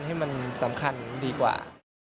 ให้มันสำคัญดีกว่า